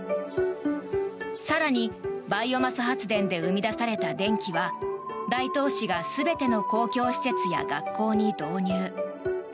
更に、バイオマス発電で生み出された電気は大東市が全ての公共施設や学校に導入。